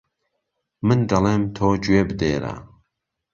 من دهڵيم تۆ گوێ بدێره